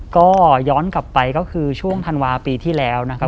ก็ย้อนกลับไปก็คือช่วงธันวาปีที่แล้วนะครับ